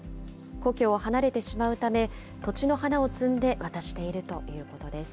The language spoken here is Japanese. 故郷を離れてしまうため、土地の花を摘んで渡しているということです。